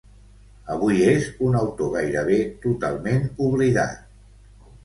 Avui és un autor gairebé totalment oblidat.